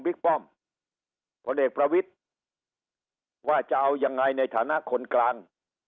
ป้อมพลเอกประวิทธิ์ว่าจะเอายังไงในฐานะคนกลาง